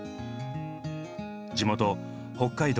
地元北海道・